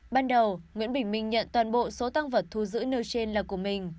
ban đầu nguyễn bình minh nhận toàn bộ số tăng vật thu giữ nơi trên là của mình